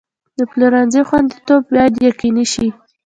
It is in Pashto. د پلورنځي خوندیتوب باید یقیني شي.